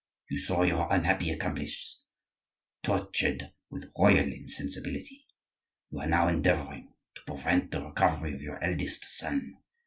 You saw your unhappy accomplice tortured with royal insensibility. You are now endeavoring to prevent the recovery of your eldest son.